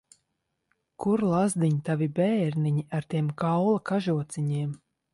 Kur, lazdiņ, tavi bērniņi, ar tiem kaula kažociņiem?